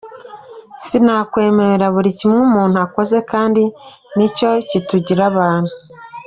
Sinakwemera buri kimwe umuntu akoze kandi nicyo kitugira abantu.